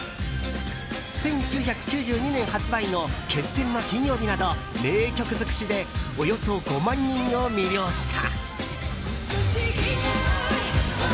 １９９２年発売の「決戦は金曜日」など名曲尽くしでおよそ５万人を魅了した。